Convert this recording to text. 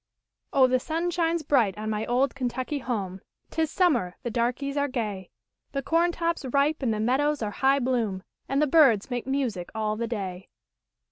u Oh, the sun shines bright on my old Kentucky home, 'Tis summer, the darkies are gay, The corn top's ripe and the meadows are hi bloom, And the birds make music all the day."